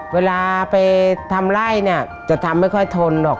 เวลาไปทำไล่เนี่ยจะทำไม่ค่อยทนหรอก